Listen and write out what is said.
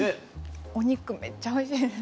お肉めっちゃおいしいです。